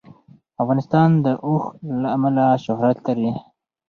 افغانستان د اوښ له امله شهرت لري.